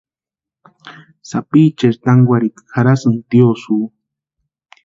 Sapicheri tankwarhikwa jarhasïnti tiosïo.